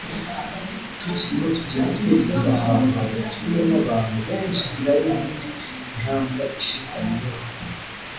“tukirimo kugenda twageze ahantu hadatuwe n’abantu benshi hatari n’indi mihanda ishamikiyeho